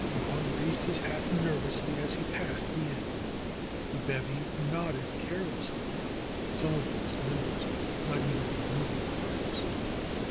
Don raised his hat nervously as he passed the inn. The bevy nodded carelessly, some of its members not even THE ROSE COLORED WORLD 5 removing their pipes.